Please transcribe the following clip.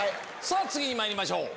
次にまいりましょう。